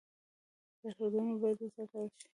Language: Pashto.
سرحدونه باید وساتل شي